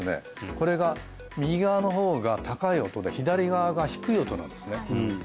これが右側の方が高い音で左側が低い音なんですね